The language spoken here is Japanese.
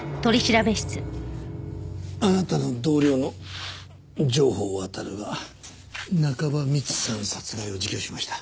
あなたの同僚の城宝渉が中葉美智さん殺害を自供しました。